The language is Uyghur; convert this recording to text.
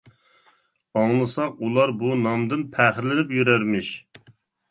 ئاڭلىساق ئۇلار بۇ نامدىن پەخىرلىنىپ يۈرەرمىش.